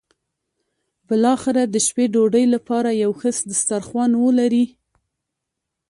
بالاخره د شپې ډوډۍ لپاره یو ښه سترخوان ولري.